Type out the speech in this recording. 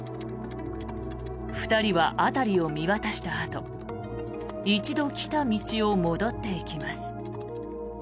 ２人は辺りを見渡したあと一度来た道を戻っていきます。